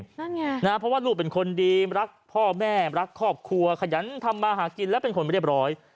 นั่นไงนะเพราะว่าลูกเป็นคนดีรักพ่อแม่รักครอบครัวขยันทำมาหากินและเป็นคนไม่เรียบร้อย